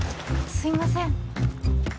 すいません。